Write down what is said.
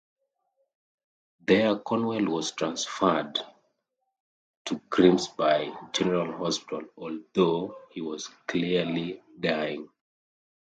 There Cornwell was transferred to Grimsby General Hospital, although he was clearly dying.